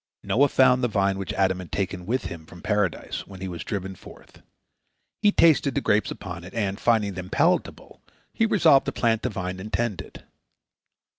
Noah found the vine which Adam had taken with him from Paradise, when he was driven forth. He tasted the grapes upon it, and, finding them palatable, he resolved to plant the vine and tend it.